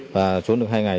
và trốn được hai ngày